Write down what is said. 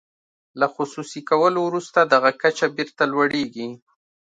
له خصوصي کولو وروسته دغه کچه بیرته لوړیږي.